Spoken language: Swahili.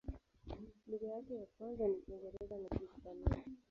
Lugha yake ya kwanza ni Kiingereza na Kihispania.